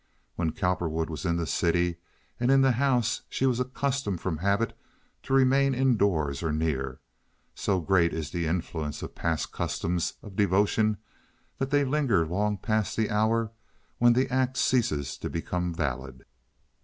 When Cowperwood was in the city and in the house she was accustomed from habit to remain indoors or near. So great is the influence of past customs of devotion that they linger long past the hour when the act ceases to become valid.